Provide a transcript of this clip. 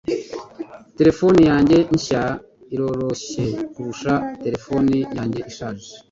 Terefone yanjye nshya iroroshye kurusha terefone yanjye ishaje.